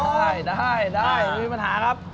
ได้ได้มีปัญหาครับ